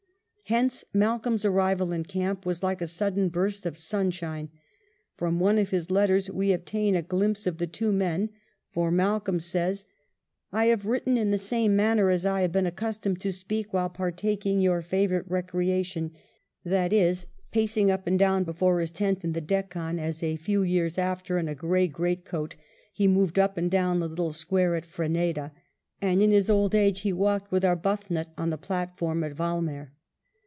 Hence " Malcolm's arrival in camp was like a sudden burst of sunshine." From one of his letters we obtain a glimpse of the two men, for Malcolm says, " I have written in Ill END OF THE CAMPAIGN 8i the same manner as I have been accustomed to speak while partaking your favourite recreation," that is, pacing up and down before his tent in the Deccan as a few years after, in a gray greatcoat, he moved up and down the little square at Freneda, and in his old age he walked with Arbuthnot on the platform at Walmer.